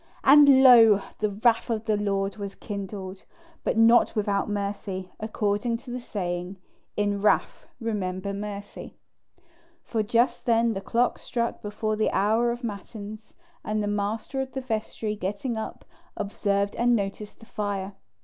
And lo! the wrath of the Lord was kindled, but not without mercy, according to that saying, "In wrath remember mercy"; for just then the clock struck before the hour of matins, and the master of the vestry getting up, observed and noticed the fire.